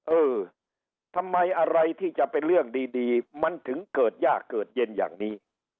เออทำไมอะไรที่จะเป็นเรื่องดีมันถึงเกิดยากเกิดเย็นอย่างนี้